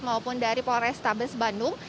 maupun dari polres tabes bandung